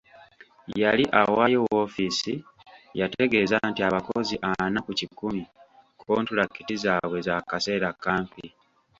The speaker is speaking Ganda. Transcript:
Yali awaayo woofiisi, yategeeza nti abakozi ana ku kikumi kkontulakiti zaabwe za kaseera kampi.